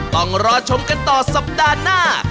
ต้องรอชมกันต่อสัปดาห์หน้า